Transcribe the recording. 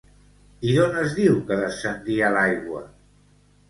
I d'on es diu que descendia l'aigua?